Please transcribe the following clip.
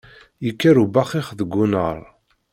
Yekker ubaxix deg unnar!